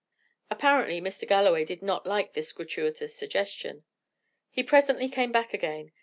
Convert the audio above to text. Apparently, Mr. Galloway did not like this gratuitous suggestion. He presently came back again.